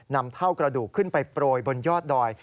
นำเท่ากระดูกขึ้นไปโปรยบนยอดดอย